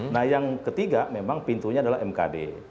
nah yang ketiga memang pintunya adalah mkd